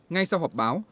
ngay sau họp báo